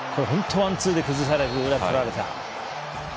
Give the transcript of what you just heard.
ワンツーで崩されて、とられた。